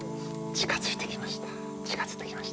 近づいてきました。